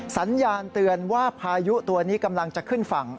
สัญญาณเตือนว่าพายุตัวนี้กำลังจะขึ้นฝั่ง